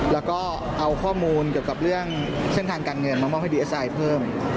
แล้วก็เอาข้อมูลเกี่ยวกับเรื่องเส้นทางการเงินมามอบให้ดีเอสไอเพิ่ม